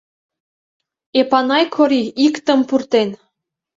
— Эпанай Кори иктым пуртен!